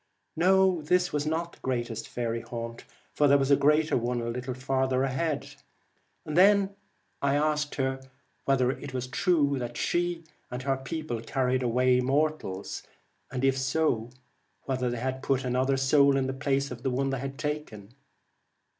No, this was not the greatest faery haunt, for there was a greater one a little further ahead. I then asked her whether it was true that she and her people carried away mortals, and if so, whether they put another soul in the place of the one they had taken